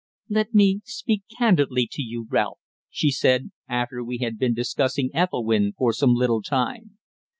"Let me speak candidly to you, Ralph," she said, after we had been discussing Ethelwynn for some little time.